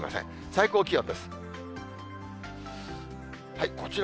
最高気温です。